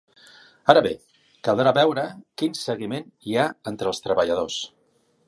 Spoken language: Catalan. Ara bé, caldrà veure quin seguiment hi ha entre els treballadors.